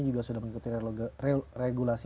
juga sudah mengikuti regulasi